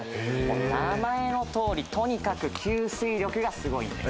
名前の通り、とにかく吸水力がすごいんです。